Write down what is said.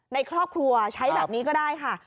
ในครอบครัวใช้แบบนี้ก็ได้ค่ะ